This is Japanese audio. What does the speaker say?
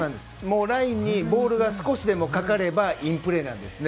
ラインにボールが少しでもかかればインプレーなんですね。